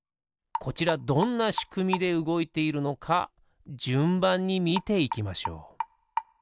こちらどんなしくみでうごいているのかじゅんばんにみていきましょう。